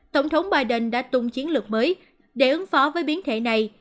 tổng thống biden đã tung chiến lược mới để ứng phó với biến thể này